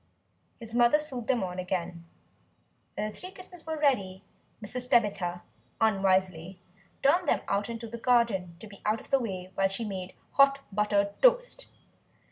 His mother sewed them on again. When the three kittens were ready, Mrs. Tabitha unwisely turned them out into the garden, to be out of the way while she made hot buttered toast.